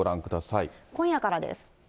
今夜からです。